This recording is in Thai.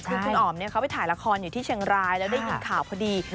คือคุณอ๋อมเขาไปถ่ายละครอยู่ที่เชียงรายแล้วได้ยินข่าวพอดี